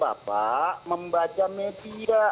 bapak bapak membaca media